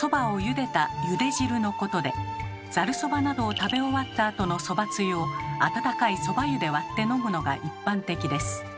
ざるそばなどを食べ終わったあとのそばつゆを温かいそば湯で割って飲むのが一般的です。